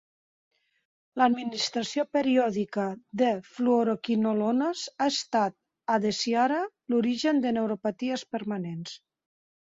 L'administració periòdica de fluoroquinolones ha estat, adesiara, l'origen de neuropaties permanents.